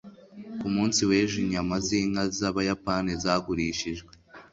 ku munsi w'ejo inyama z'inka z'abayapani zagurishijwe